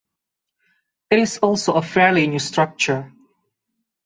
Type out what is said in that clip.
It is also a fairly new structure.